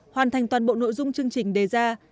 hoàn thành toàn bộ nội dung chương trình đề ra